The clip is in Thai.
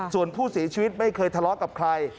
ส่วนผู้เสียชีวิตไม่เคยทะเลาะกับใคร